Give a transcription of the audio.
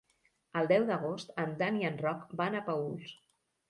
El deu d'agost en Dan i en Roc van a Paüls.